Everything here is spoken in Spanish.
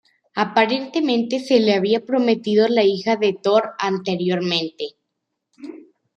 Aparentemente se le había prometido la hija de Thor anteriormente.